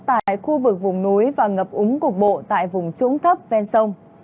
tại khu vực vùng núi và ngập úng cục bộ tại vùng trũng thấp ven sông